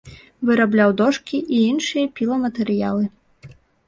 Вырабляў дошкі і іншыя піламатэрыялы.